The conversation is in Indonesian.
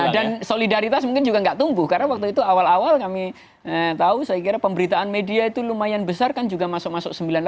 dan solidaritas mungkin juga nggak tumbuh karena waktu itu awal awal kami tahu saya kira pemberitaan media itu lumayan besar kan juga masuk masuk sembilan puluh delapan